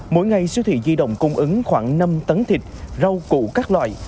mỗi ngày siêu thị di động cung ứng khoảng năm tấn thịt rau củ các loại